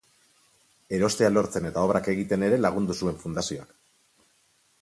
Erostea lortzen eta obrak egiten ere lagundu zuen fundazioak.